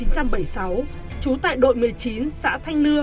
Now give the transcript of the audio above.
trú tại đội một mươi chín xã thanh nưa